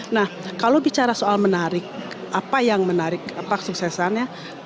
nah kalau bicara soal menarik apa yang menarik apa kesuksesannya